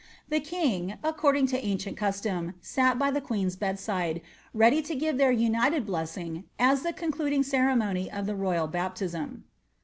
* The king, according to ancient custom, sal by the queen's bed aide, rrady to give their united blessing, as the concluding ceremony of th« royal baptism.